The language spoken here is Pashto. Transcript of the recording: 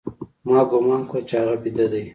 ما گومان کاوه چې هغه بيده دى.